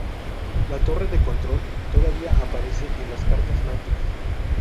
La torre de control todavía aparece en las cartas náuticas.